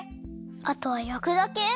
あとはやくだけ？